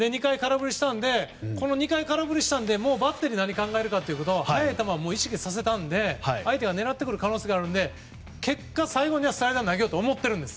２回空振りしたのでバッテリーは何を考えるかというと速い球は意識させたので相手が狙ってくる可能性があるので結果、最後にはスライダーを投げようと思っているんです